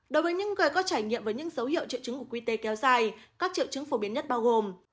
đối với những người có trải nghiệm với những dấu hiệu triệu chứng của qt kéo dài các triệu chứng phổ biến nhất bao gồm